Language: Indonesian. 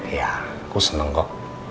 iya aku seneng kok